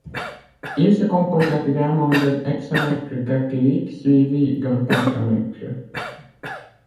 Il se compose naturellement d'un hexamètre dactylique suivi d'un pentamètre.